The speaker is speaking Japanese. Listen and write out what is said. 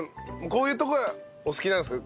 こういうとこがお好きなんですか？